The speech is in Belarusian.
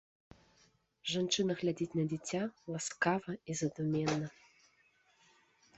Жанчына глядзіць на дзіця ласкава і задуменна.